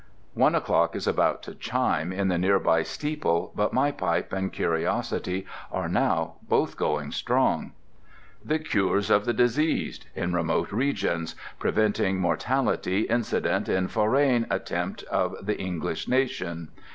One o'clock is about to chime in the near by steeple, but my pipe and curiosity are now both going strong. "THE CURES OF THE DISEASED in remote Regions, preventing Mortalitie incident in Forraine Attempts of the English Nation.